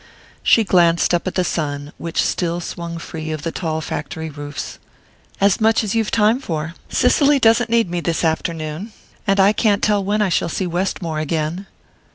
She glanced up at the sun, which still swung free of the tall factory roofs. "As much as you've time for. Cicely doesn't need me this afternoon, and I can't tell when I shall see Westmore again."